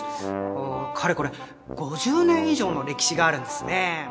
うんかれこれ５０年以上の歴史があるんですね。